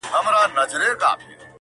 o زما او ستا په جدايۍ خوشحاله.